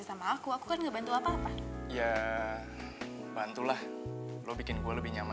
jangan sampai itu cewek berani gangguin adik gue